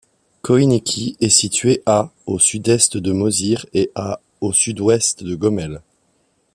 Khoïniki est située à au sud-est de Mozyr et à au sud-ouest de Gomel.